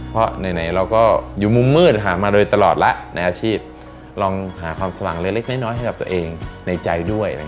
เพราะไหนเราก็อยู่มุมมืดหามาโดยตลอดแล้วในอาชีพลองหาความสว่างเล็กน้อยให้กับตัวเองในใจด้วย